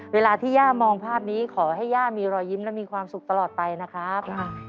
เวลาที่ย่ามองภาพนี้ขอให้ย่ามีรอยยิ้มและมีความสุขตลอดไปนะครับ